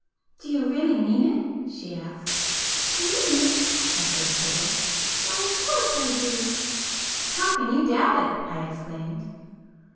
"Do you really mean it?" she asked. "Mean it!" echoed Sibyl—"Why, of course I do!" [p 316]"How can you doubt it!" I exclaimed.